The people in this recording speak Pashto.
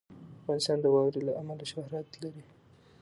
افغانستان د واوره له امله شهرت لري.